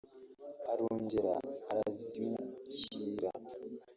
arongera arizamukira